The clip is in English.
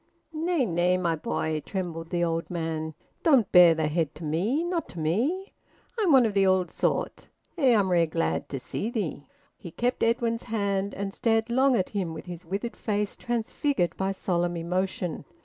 "Nay, nay, my boy," trembled the old man, "don't bare thy head to me ... not to me! I'm one o' th' ould sort. Eh, I'm rare glad to see thee!" He kept Edwin's hand, and stared long at him, with his withered face transfigured by solemn emotion.